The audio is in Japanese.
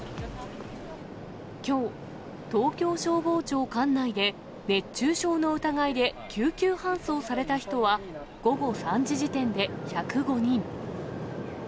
きょう、東京消防庁管内で熱中症の疑いで救急搬送された人は、午後３時時点で１０５人。